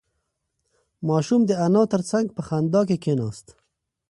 ماشوم د انا تر څنگ په خندا کې کېناست.